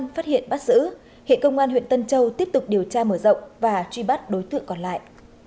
phát hiện bắt giữ hiện công an huyện tân châu tiếp tục điều tra mở rộng và truy bắt đối tượng còn lại